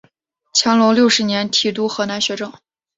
乾隆六十年提督河南学政。